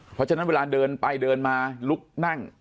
เพราะฉะนั้นเวลาเดินไปเดินมาลุกนั่ง